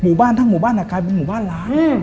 หมู่บ้านทั้งหมู่บ้านอาการเป็นหมู่บ้านล้าง